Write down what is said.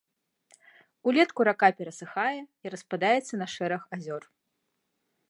Улетку рака перасыхае і распадаецца на шэраг азёр.